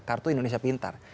kartu indonesia pintar